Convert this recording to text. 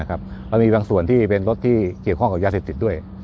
มันมีบางส่วนที่เป็นรถที่เกี่ยวข้องกับยาเสพติดด้วย